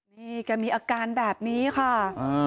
นี่แกมีอาการแบบนี้ค่ะ